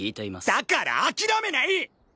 だから諦めない！